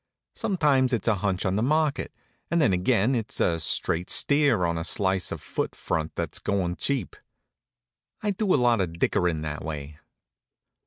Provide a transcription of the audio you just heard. Sometimes it's a hunch on the market, and then again it's a straight steer on a slice of foot front that's goin' cheap. I do a lot of dickerin' that way.